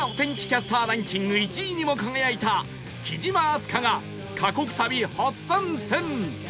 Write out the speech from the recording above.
キャスターランキング１位にも輝いた貴島明日香が過酷旅初参戦